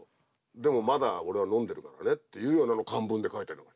「でもまだ俺は飲んでるからね」っていうようなの漢文で書いてるの。